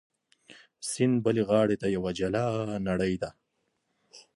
سیند بلې غاړې ته یوه جلا نړۍ ده.